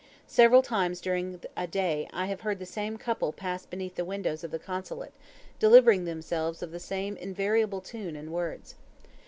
Several times during a day have I heard the same couple pass beneath the windows of the Consulate, delivering themselves of the same invariable tune and words.